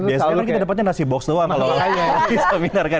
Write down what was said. biasanya kita dapatnya nasi box doang kalo di seminar kan